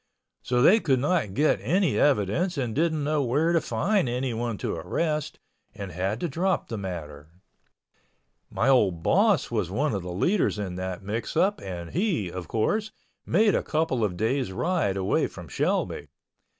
So they could not get any evidence and didn't know where to find anyone to arrest, and had to drop the matter. My old boss was one of the leaders in that mix up and he, of course, made a couple of days ride away from Shelby.